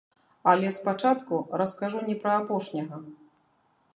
Але спачатку раскажу не пра апошняга.